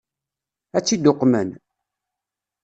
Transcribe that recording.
Ad tt-id-uqmen?